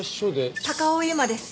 高尾由真です。